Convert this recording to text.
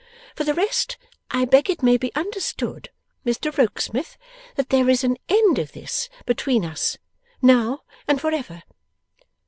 For the rest, I beg it may be understood, Mr Rokesmith, that there is an end of this between us, now and for ever.